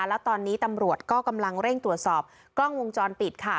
แล้วตอนนี้ตำรวจก็กำลังเร่งตรวจสอบกล้องวงจรปิดค่ะ